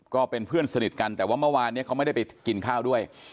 ก็เป็นเพื่อนสนิทกันแต่ว่าเมื่อวานเนี่ยเขาไม่ได้ไปกินข้าวด้วย